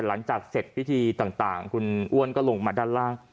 หลังจากเสร็จพิธีต่างคุณอ้วนก็ลงมาด้านล่าง